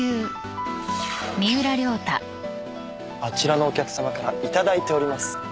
「あちらのお客さまから頂いております」